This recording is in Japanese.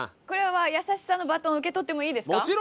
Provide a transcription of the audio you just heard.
これは優しさのバトンを受け取ってもいいですか？